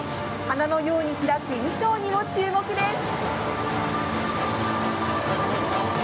花のように開く衣装にも注目です。